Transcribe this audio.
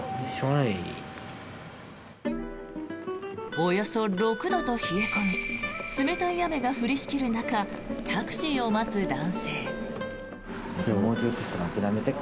およそ６度と冷え込み冷たい雨が降りしきる中タクシーを待つ男性。